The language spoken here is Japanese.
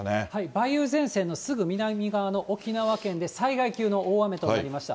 梅雨前線のすぐ南側の沖縄県で、災害級の大雨となりました。